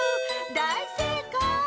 だいせいかい！